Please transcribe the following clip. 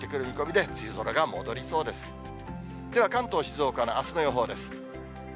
では関東、静岡のあすの予報です。